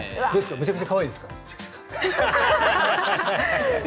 めちゃくちゃ可愛いです。